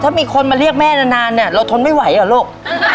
ถ้ามีคนมาเรียกแม่นานเนี่ยเราทนไม่ไหวเหรอลูก